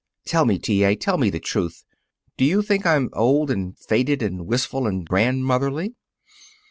Tell me, T. A. tell me the truth: Do you think I'm old, and faded, and wistful and grandmotherly?"